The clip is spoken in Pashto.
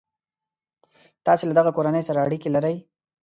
تاسي له دغه کورنۍ سره اړیکي لرئ.